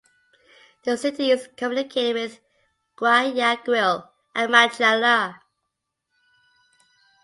The city is communicated with Guayaquil and Machala.